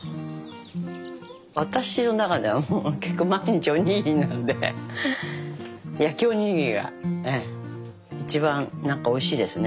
私の中ではもう結構毎日おにぎりなんで焼きおにぎりが一番なんかおいしいですね。